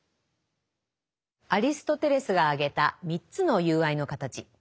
アリストテレスが挙げた３つの友愛の形。